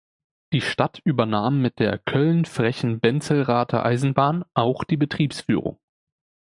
Die Stadt übernahm mit der Köln-Frechen-Benzelrather Eisenbahn auch die Betriebsführung.